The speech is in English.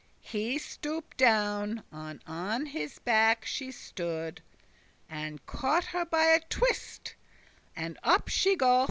He stooped down, and on his back she stood, And caught her by a twist,* and up she go'th.